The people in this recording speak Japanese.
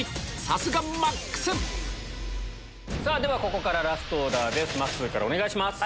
さすがマックスではここからラストオーダーまっすーからお願いします。